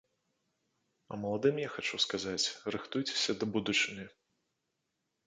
А маладым я хачу сказаць, рыхтуйцеся да будучыні.